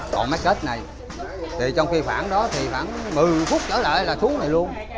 còn máy kết này thì trong khi khoảng đó thì khoảng một mươi phút trở lại là xuống này luôn